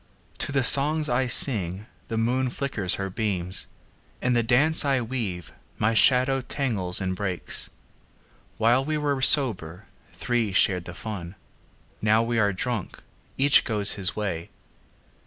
To the songs I sing the moon flickers her beams; In the dance I weave my shadow tangles and breaks. While we were sober, three shared the fun; Now we are drunk, each goes his way.